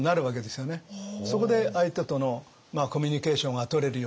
そこで相手とのコミュニケーションがとれるような。